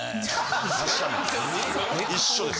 一緒です！